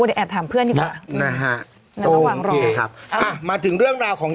เดี๋ยวแอบถามเพื่อนดีกว่านะฮะระหว่างรอครับอ่ะมาถึงเรื่องราวของ